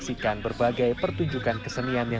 iya satu tahun sekali